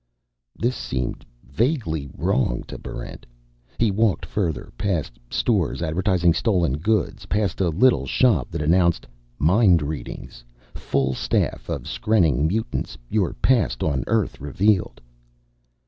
This seemed vaguely wrong to Barrent. He walked further, past stores advertising stolen goods, past a little shop that announced: MIND READING! FULL STAFF OF SKRENNING MUTANTS! YOUR PAST ON EARTH REVEALED!